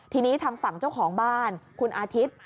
ทีนี้ทางฝั่งเจ้าของบ้านคุณอาทิตย์